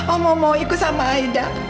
oma mau ikut sama aida